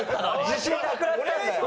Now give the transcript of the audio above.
自信なくなったんだよ。